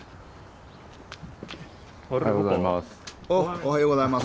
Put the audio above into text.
おはようございます。